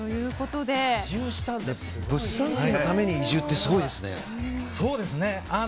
物産展のために移住ってすごいですね。